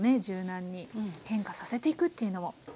柔軟に変化させていくっていうのも。